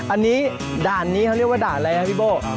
อันนี้ด่านนี้เขาเรียกว่าด่านอะไรครับพี่โบ้